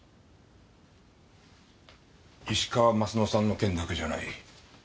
石川鱒乃さんの件だけじゃない。